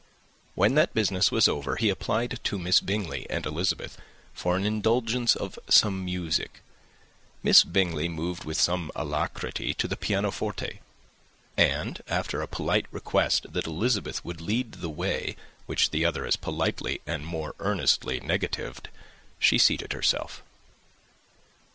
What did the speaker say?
When that business was over, he applied to Miss Bingley and Elizabeth for the indulgence of some music. Miss Bingley moved with alacrity to the pianoforte, and after a polite request that Elizabeth would lead the way, which the other as politely and more earnestly negatived, she seated herself.